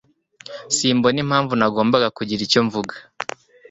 Simbona impamvu nagombaga kugira icyo mvuga.